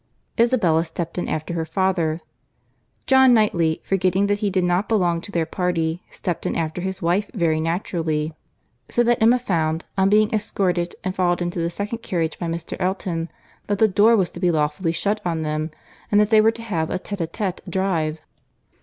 Isabella stept in after her father; John Knightley, forgetting that he did not belong to their party, stept in after his wife very naturally; so that Emma found, on being escorted and followed into the second carriage by Mr. Elton, that the door was to be lawfully shut on them, and that they were to have a tête à tête drive.